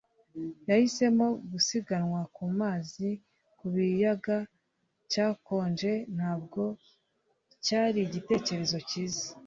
Yahisemo gusiganwa ku mazi ku kiyaga cyakonje ntabwo cyari igitekerezo cyiza.